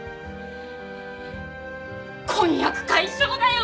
婚約解消だよ！